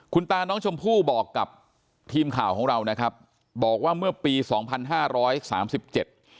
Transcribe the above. คุณตาน้องชมพู่บอกกับทีมข่าวของเรานะครับบอกว่าเมื่อปีสองพันห้าร้อยสามสิบเจ็ด